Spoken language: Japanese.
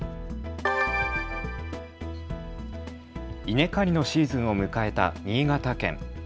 稲刈りのシーズンを迎えた新潟県。